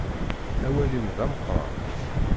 Awal-im d ameqqran.